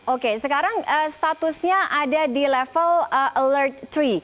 oke sekarang statusnya ada di level alert tiga